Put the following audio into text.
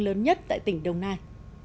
lớn nhất tại tỉnh đồng nai